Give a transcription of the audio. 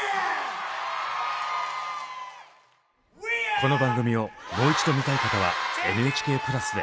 この放送をもう一度見たい方はＮＨＫプラスで。